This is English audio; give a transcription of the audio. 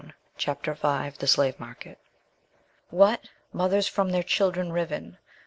CHAPTER V THE SLAVE MARKET "What! mothers from their children riven!